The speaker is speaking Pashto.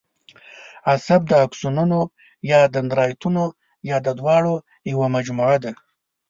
عصب د آکسونونو یا دندرایتونو یا د دواړو یوه مجموعه ده.